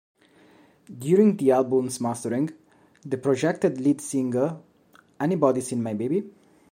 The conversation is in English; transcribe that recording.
During the album's mastering, the projected lead single Anybody Seen My Baby?